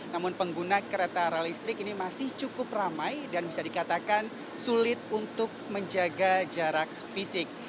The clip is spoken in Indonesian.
namun pengguna kereta rel listrik ini masih cukup ramai dan bisa dikatakan sulit untuk menjaga jarak fisik